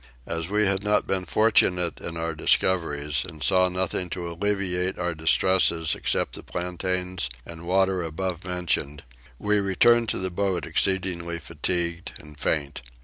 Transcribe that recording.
As we had not been fortunate in our discoveries, and saw nothing to alleviate our distresses except the plantains and water above mentioned, we returned to the boat exceedingly fatigued and faint.